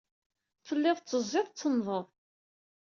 Telliḍ tettezziḍ, tettennḍeḍ.